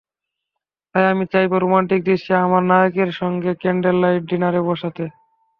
তাই আমি চাইব, রোমান্টিক দৃশ্যে আমার নায়কের সঙ্গে ক্যান্ডললাইট ডিনারে বসতে।